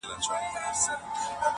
د هغه فرد د بنیادي